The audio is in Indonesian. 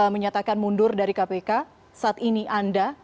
menyatakan mundur dari kpk saat ini anda